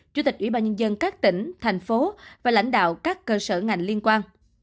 chủ tịch ủy ban nhân dân các tỉnh thành phố và lãnh đạo các cơ sở ngành liên quan